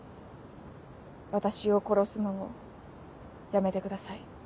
私を殺すのをやめてください。